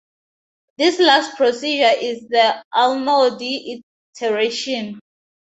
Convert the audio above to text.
This last procedure is the Arnoldi iteration.